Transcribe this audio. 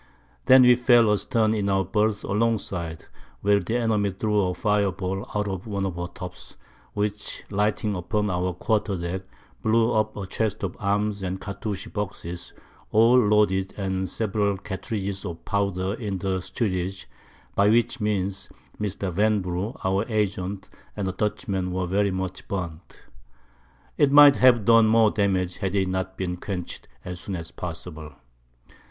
Then we fell a stern in our Birth along side, where the Enemy threw a Fire ball out of one of her Tops, which lighting upon our Quarter deck, blew up a Chest of Arms and Cartouch Boxes all loaded, and several Cartridges of Powder in the Steerage by which means Mr. Vanbrugh, our Agent, and a Dutchman, were very much burnt; it might have done more Damage, had it not been quench'd as soon as possible.